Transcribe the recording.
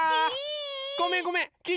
ごめんごめんきい